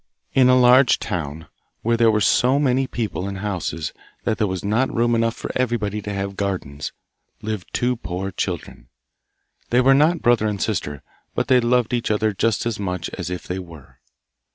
In a large town, where there were so many people and houses that there was not room enough for everybody to have gardens, lived two poor children. They were not brother and sister, but they loved each other just as much as if they were.